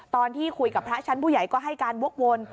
ตอนที่คุยกับพระชั้นผู้ใหญ่ก็ให้การวกวน